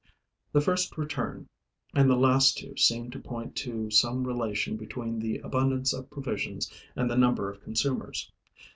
The first return and the last two seem to point to some relation between the abundance of provisions and the number of consumers.